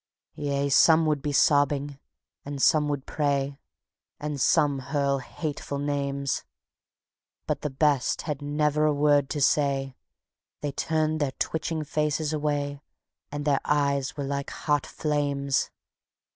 Yea, some would be sobbing, and some would pray, And some hurl hateful names; But the best had never a word to say; They turned their twitching faces away, And their eyes were like hot flames.